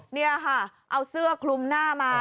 นี่ค่ะเอาเสื้อคลุมหน้ามา